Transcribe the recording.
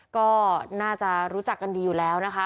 ก็น่าจะรู้จักกันดีอยู่แล้วนะคะ